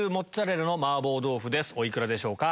お幾らでしょうか？